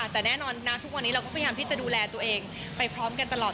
แต่แน่นอนนะทุกวันนี้เราก็พยายามที่จะดูแลตัวเองไปพร้อมกันตลอด